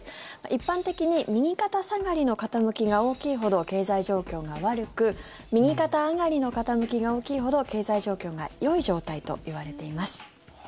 一般的に右肩下がりの傾きが大きいほど経済状況が悪く右肩上がりの傾きが大きいほど経済状況がよい状態といわれています。